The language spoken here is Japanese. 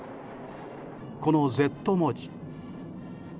このＺ文字